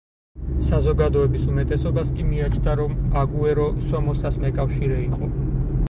საზოგადოების უმეტესობას კი მიაჩნდა, რომ აგუერო სომოსას მეკავშირე იყო.